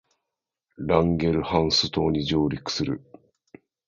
ランゲルハンス島に上陸する